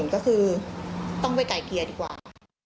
ก็คือต้องไปไก่เกลี่ยดีกว่า